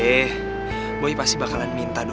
be mba be pasti bakalan minta doa